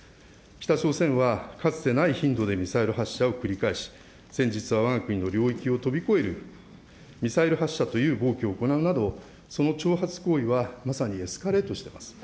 北朝鮮はかつてない頻度でミサイル発射を繰り返し、先日はわが国の領域を飛び越えるミサイル発射という暴挙を行うなど、その挑発行為はまさにエスカレートしています。